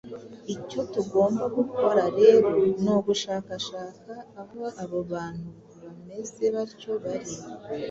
Icyo tugomba gukora rero ni ugushakashaka aho abo bantu bameze batyo bari